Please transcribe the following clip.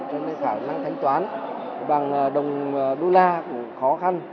chúng ta phải mang thanh toán bằng đồng đô la khó khăn